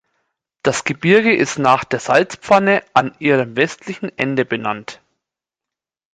Das Gebirge ist nach der Salzpfanne an ihrem westlichen Ende benannt.